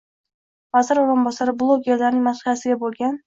Vazir o'rinbosari bloggerlarning madhiyasiga bo'lgan